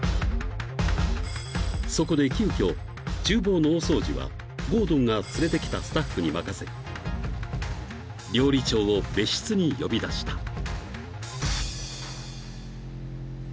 ［そこで急きょ厨房の大掃除はゴードンが連れてきたスタッフに任せ料理長を別室に呼び出した］